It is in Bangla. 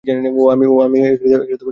ওহ, আহ, আমি ঠিক জানি না।